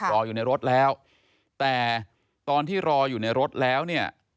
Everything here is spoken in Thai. รออยู่ในรถแล้วแต่ตอนที่รออยู่ในรถแล้วเนี่ย